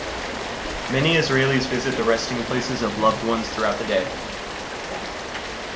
Many Israelis visit the resting places of loved ones throughout the day.